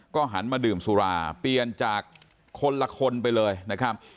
หันมาดื่มสุราเปลี่ยนจากคนละคนไปเลยนะครับ